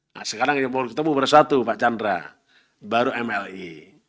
nah sekarang yang mau ketemu baru suatu pak chandra baru mla